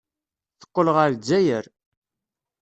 Teqqel ɣer Lezzayer.